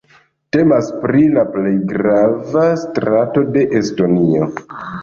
Temas pri la plej grava strato de Estonio.